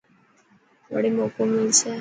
وڙي موڪو ملسي.